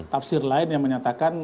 tafsir lain yang menyatakan